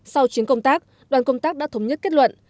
sau chuyến công tác đoàn công tác đã thống nhất kết luận